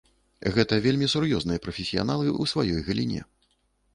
Гэта вельмі сур'ёзныя прафесіяналы ў сваёй галіне.